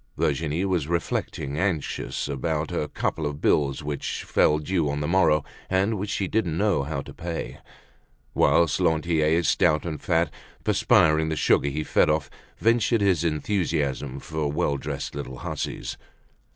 Virginie was reflecting, anxious about a couple of bills which fell due on the morrow and which she didn't know how to pay; whilst Lantier, stout and fat, perspiring the sugar he fed off, ventured his enthusiasm for well dressed little hussies.